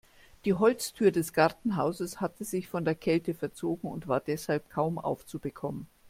Die Holztür des Gartenhauses hatte sich von der Kälte verzogen und war deshalb kaum aufzubekommen.